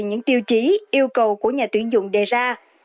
những tiêu chí yêu cầu của nhà tuyển dụng đề ra